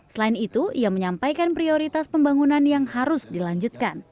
selain itu ia menyampaikan prioritas pembangunan yang harus dilanjutkan